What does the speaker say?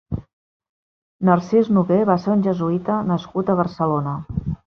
Narcís Noguer va ser un jesuïta nascut a Barcelona.